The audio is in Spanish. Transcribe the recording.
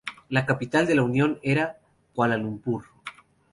La capital de la Unión era Kuala Lumpur.